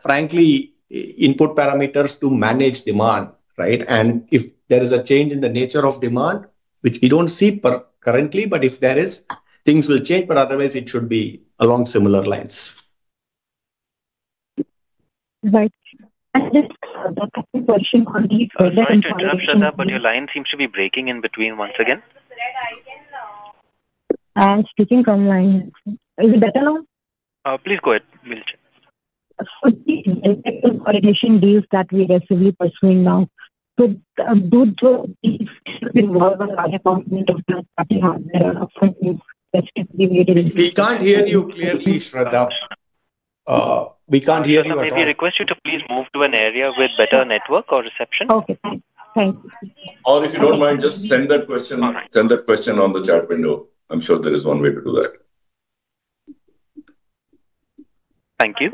frankly, input parameters to manage demand, right? And if there is a change in the nature of demand, which we don't see currently, but if there is, things will change. But otherwise, it should be along similar lines. Right, and just a quick question on the earlier information. Sorry, Shraddha, but your line seems to be breaking in between once again. I'm speaking from my end. Is it better now? Please go ahead. We'll check. For the incentive or initial deals that we're actively pursuing now, do those deals involve a large component of the starting hardware of something specifically related to? We can't hear you clearly, Shraddha. We can't hear you at all. May we request you to please move to an area with better network or reception? Okay. Thanks. Thanks. Or if you don't mind, just send that question. Send that question on the chat window. I'm sure there is one way to do that. Thank you.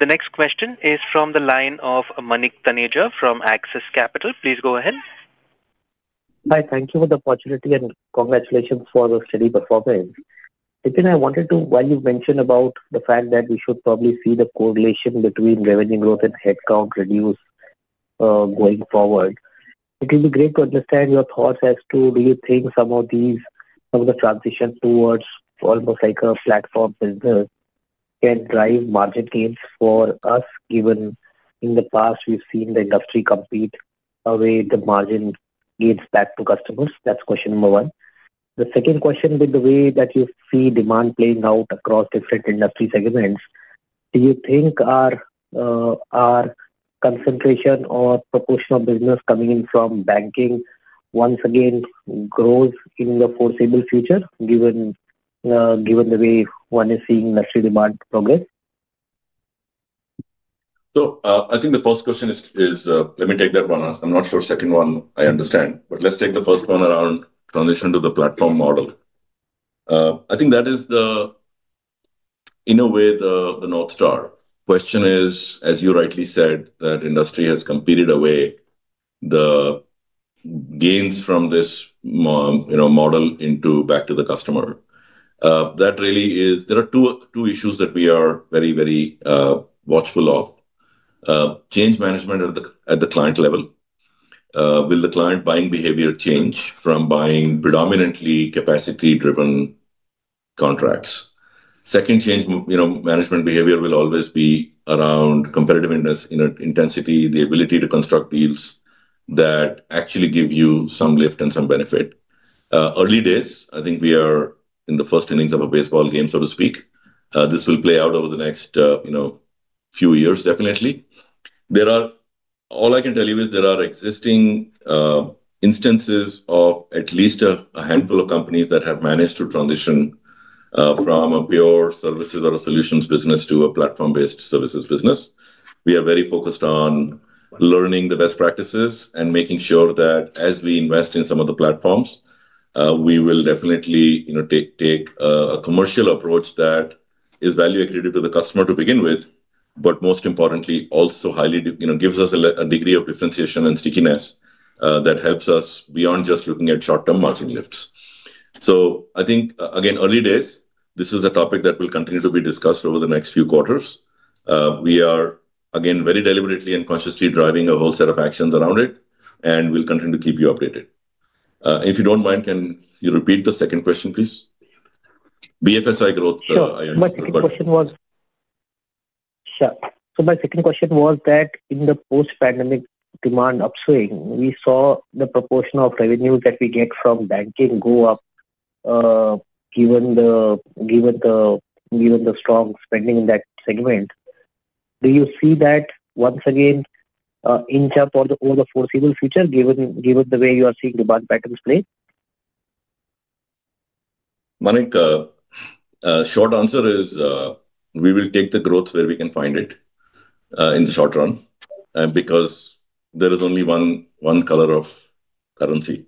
The next question is from the line of Manik Taneja from Axis Capital. Please go ahead. Hi. Thank you for the opportunity and congratulations for the steady performance. Nitin, I wanted to, while you mentioned about the fact that we should probably see the correlation between revenue growth and headcount reduce going forward, it would be great to understand your thoughts as to do you think some of these transitions towards almost like a platform business can drive margin gains for us, given in the past we've seen the industry compete away the margin gains back to customers? That's question number one. The second question, with the way that you see demand playing out across different industry segments, do you think our concentration or proportion of business coming in from banking once again grows in the foreseeable future, given the way one is seeing industry demand progress? So I think the first question is, let me take that one. I'm not sure the second one I understand. But let's take the first one around transition to the platform model. I think that is, in a way, the North Star. The question is, as you rightly said, that industry has competed away the gains from this model back to the customer. That really is there are two issues that we are very, very watchful of. Change management at the client level. Will the client buying behavior change from buying predominantly capacity-driven contracts? Second, change management behavior will always be around competitive intensity, the ability to construct deals that actually give you some lift and some benefit. Early days, I think we are in the first innings of a baseball game, so to speak. This will play out over the next few years, definitely. All I can tell you is there are existing instances of at least a handful of companies that have managed to transition from a pure services or a solutions business to a platform-based services business. We are very focused on learning the best practices and making sure that as we invest in some of the platforms, we will definitely take a commercial approach that is value-accredited to the customer to begin with, but most importantly, also gives us a degree of differentiation and stickiness that helps us beyond just looking at short-term margin lifts. So I think, again, early days, this is a topic that will continue to be discussed over the next few quarters. We are, again, very deliberately and consciously driving a whole set of actions around it, and we'll continue to keep you updated. If you don't mind, can you repeat the second question, please? BFSI growth. Sure. So my second question was that in the post-pandemic demand upswing, we saw the proportion of revenue that we get from banking go up given the strong spending in that segment. Do you see that once again in terms of the foreseeable future, given the way you are seeing demand patterns play? Manik, short answer is we will take the growth where we can find it in the short run because there is only one color of currency.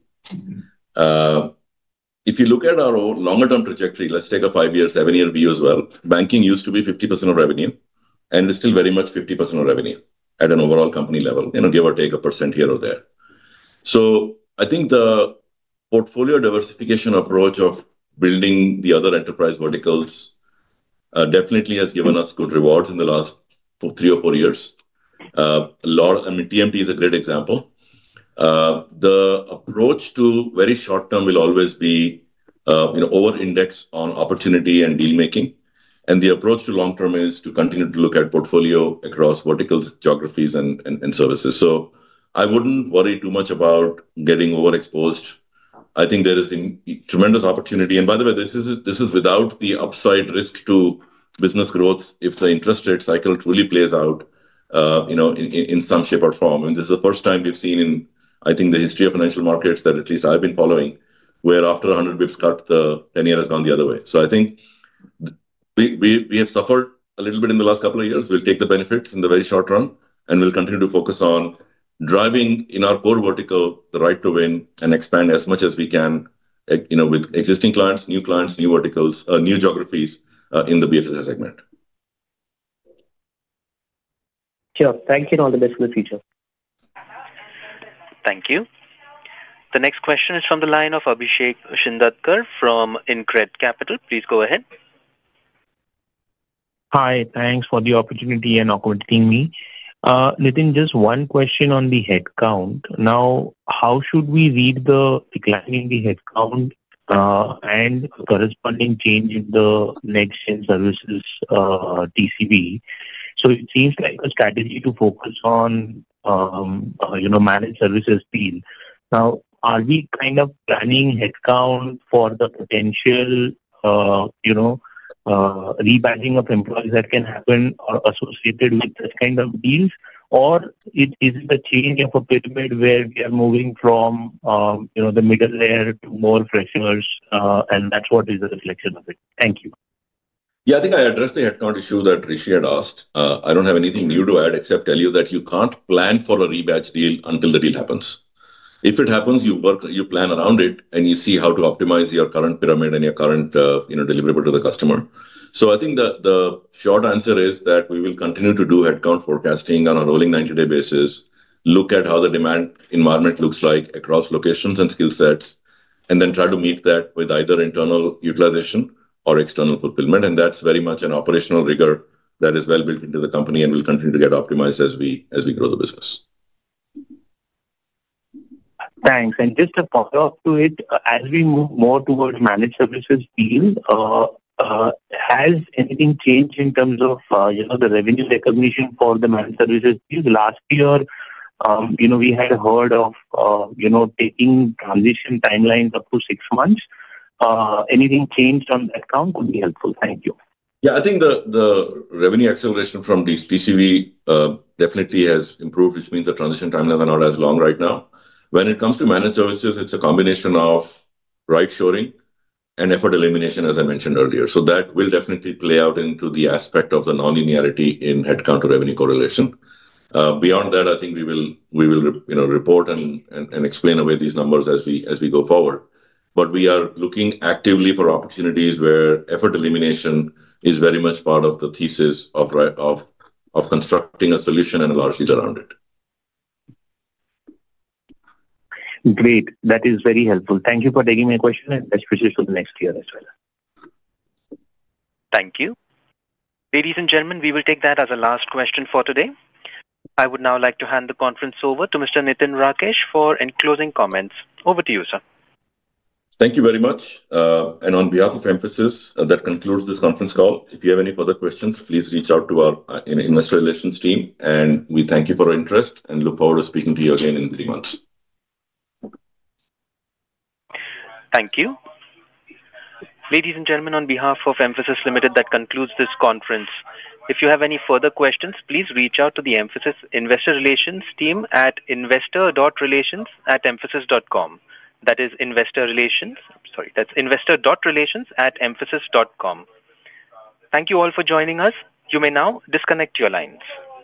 If you look at our longer-term trajectory, let's take a five-year, seven-year view as well. Banking used to be 50% of revenue, and it's still very much 50% of revenue at an overall company level, give or take a percent here or there. So I think the portfolio diversification approach of building the other enterprise verticals definitely has given us good rewards in the last three or four years. I mean, TMT is a great example. The approach to very short-term will always be over-indexed on opportunity and deal-making. And the approach to long-term is to continue to look at portfolio across verticals, geographies, and services. So I wouldn't worry too much about getting overexposed. I think there is tremendous opportunity. By the way, this is without the upside risk to business growth if the interest rate cycle truly plays out in some shape or form. This is the first time we've seen in, I think, the history of financial markets that at least I've been following, where after 100 basis points cut, the 10-year has gone the other way. I think we have suffered a little bit in the last couple of years. We'll take the benefits in the very short run, and we'll continue to focus on driving in our core vertical the right to win and expand as much as we can with existing clients, new clients, new verticals, new geographies in the BFSI segment. Sure. Thank you. All the best for the future. Thank you. The next question is from the line of Abhishek Shindadkar from InCred Capital. Please go ahead. Hi. Thanks for the opportunity and accommodating me. Nitin, just one question on the headcount. Now, how should we read the declining headcount and corresponding change in the next-gen services TCV? So it seems like a strategy to focus on managed services deal. Now, are we kind of planning headcount for the potential rebranding of employees that can happen or associated with this kind of deals, or is it a change of a pyramid where we are moving from the middle layer to more freshers, and that's what is the reflection of it? Thank you. Yeah. I think I addressed the headcount issue that Rishi had asked. I don't have anything new to add except tell you that you can't plan for a rebadge deal until the deal happens. If it happens, you plan around it, and you see how to optimize your current pyramid and your current deliverable to the customer. So I think the short answer is that we will continue to do headcount forecasting on a rolling 90-day basis, look at how the demand environment looks like across locations and skill sets, and then try to meet that with either internal utilization or external fulfillment. And that's very much an operational rigor that is well built into the company and will continue to get optimized as we grow the business. Thanks. And just to follow up to it, as we move more towards managed services deal, has anything changed in terms of the revenue recognition for the managed services deal? Last year, we had heard of taking transition timelines up to six months. Anything changed on that account? That would be helpful. Thank you. Yeah. I think the revenue acceleration from these TCV definitely has improved, which means the transition timelines are not as long right now. When it comes to managed services, it's a combination of right-shoring and effort elimination, as I mentioned earlier. So that will definitely play out into the aspect of the non-linearity in headcount to revenue correlation. Beyond that, I think we will report and explain away these numbers as we go forward. But we are looking actively for opportunities where effort elimination is very much part of the thesis of constructing a solution and a large deal around it. Great. That is very helpful. Thank you for taking my question, and let's proceed to the next year as well. Thank you. Ladies and gentlemen, we will take that as a last question for today. I would now like to hand the conference over to Mr. Nitin Rakesh for closing comments. Over to you, sir. Thank you very much. And on behalf of Mphasis, that concludes this conference call. If you have any further questions, please reach out to our investor relations team, and we thank you for our interest and look forward to speaking to you again in three months. Thank you. Ladies and gentlemen, on behalf of Mphasis Limited, that concludes this conference. If you have any further questions, please reach out to the Mphasis investor relations team at investor.relations@mphasis.com. That is investor relations, sorry, that's investor.relations@mphasis.com. Thank you all for joining us. You may now disconnect your lines.